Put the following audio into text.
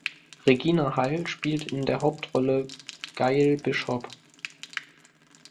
Regina Hall spielt in der Hauptrolle Gail Bishop.